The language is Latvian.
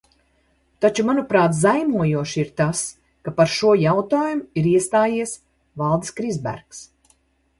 Taču, manuprāt, zaimojoši ir tas, ka par šo jautājumu ir iestājies Valdis Krisbergs.